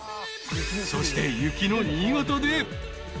［そして雪の新潟で］